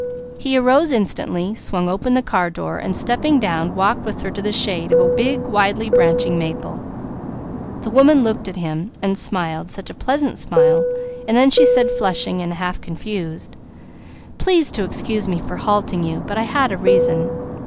He arose instantly, swung open the car door, and stepping down walked with her to the shade of a big widely branching maple. The woman looked at him, and said flushing and half confused: "Please to excuse me for halting you, but I had a reason.